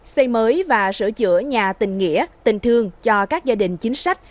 xây mới và sửa chữa nhà tình nghĩa tình thương cho các gia đình chính sách